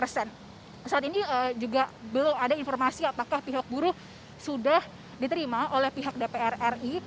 saat ini juga belum ada informasi apakah pihak buruh sudah diterima oleh pihak dpr ri